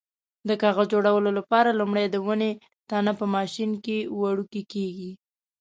د کاغذ جوړولو لپاره لومړی د ونې تنه په ماشین کې وړوکی کېږي.